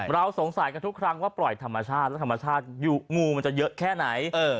เราสงสัยกันทุกครั้งว่าปล่อยธรรมชาติและธรรมชาติงูมันจะเยอะแค่ไหน